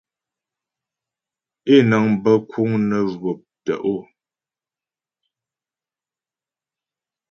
Ě nəŋ bə kùŋ nə jwɔ̀p tə’o.